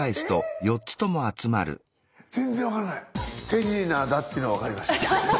手品だっていうのは分かりました。